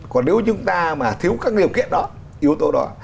còn nếu chúng ta mà thiếu các điều kiện đó yếu tố đó